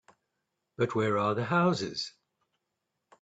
But where are the houses?